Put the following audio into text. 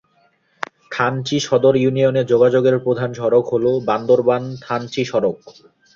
থানচি সদর ইউনিয়নে যোগাযোগের প্রধান সড়ক হল বান্দরবান-থানচি সড়ক।